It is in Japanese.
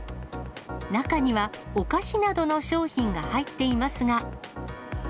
中には、お菓子などの商品が入っていますが。